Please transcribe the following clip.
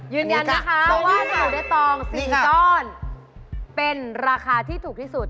ยืนยันนะคะว่าสบู่เด็ดตองสินก้อนเป็นราคาที่ถูกที่สุด